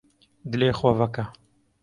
Dilê xwe veke.